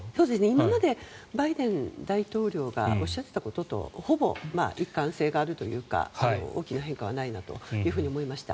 今までバイデン大統領がおっしゃっていたこととほぼ一貫性があるというか大きな変化はないなと思いました。